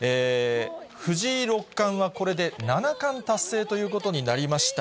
藤井六冠はこれで七冠達成ということになりました。